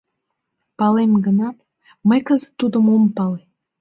— Палем гынат, мый кызыт тудым ом пале!